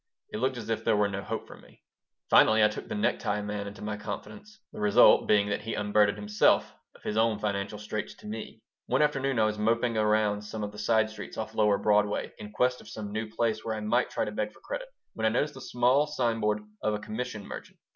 It looked as if there were no hope for me Finally I took the necktie man into my confidence, the result being that he unburdened himself of his own financial straits to me One afternoon I was moping around some of the side streets off lower Broadway in quest of some new place where I might try to beg for credit, when I noticed the small sign board of a commission merchant.